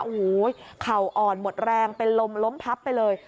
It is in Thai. โอ้โหเข่าอ่อนหมดแรงเป็นลมล้มพับไปเลย